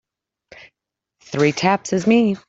Three taps is me.